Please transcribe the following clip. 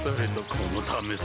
このためさ